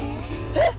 えっ⁉